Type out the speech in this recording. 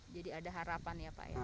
jadi ada harapan ya pak